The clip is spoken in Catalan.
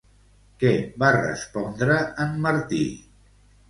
Què va respondre en Martí?